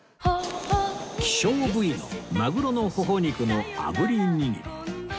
希少部位のマグロのほほ肉の炙り握り